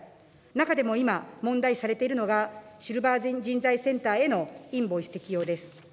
中でも今、問題視されているのが、シルバー人材センターへのインボイス適用です。